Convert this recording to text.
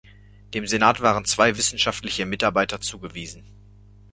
Dem Senat waren zwei wissenschaftliche Mitarbeiter zugewiesen.